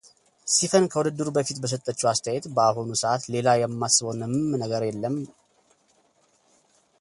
ሲፈን ከውድድሩ በፊት በሰጠችው አስተያየት በአሁኑ ሰዓት ሌላ የማስበው ምንም ነገር የለም።